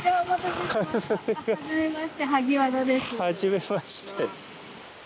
はじめまして。